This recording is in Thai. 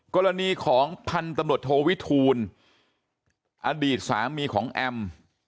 กรณีของพันธุ์ตำรวจโทวิทูลอดีตสามีของแอม